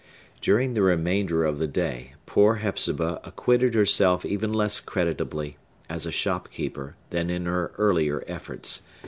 During the remainder of the day, poor Hepzibah acquitted herself even less creditably, as a shop keeper, than in her earlier efforts.